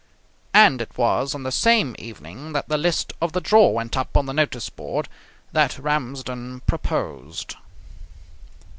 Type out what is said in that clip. And it was on the same evening that the list of the draw went up on the notice board that Ramsden proposed.